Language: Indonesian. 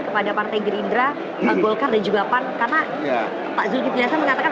kepada partai gerindra golkar dan juga pak zulkifliasa mengatakan